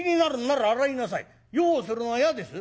用をするのが嫌です？